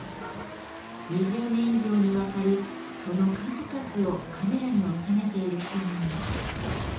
２０年以上にわたりその数々をカメラに収めている人がいます。